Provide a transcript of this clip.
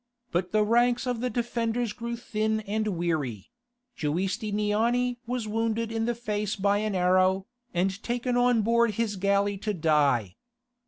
But the ranks of the defenders grew thin and weary; Giustiniani was wounded in the face by an arrow, and taken on board his galley to die.